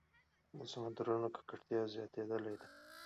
د سمندرونو ککړتیا زیاتېدلې ده.